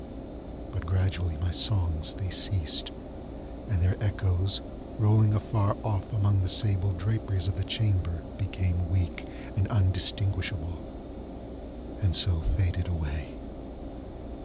But gradually my songs they ceased, and their echoes, rolling afar off among the sable draperies of the chamber, became weak, and undistinguishable, and so faded away.